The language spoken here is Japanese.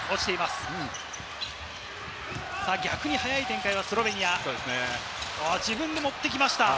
逆に速い展開はスロベニア、自分で持ってきました。